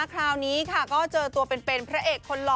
คราวนี้ค่ะก็เจอตัวเป็นพระเอกคนหล่อ